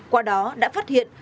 qua đó đã phát hiện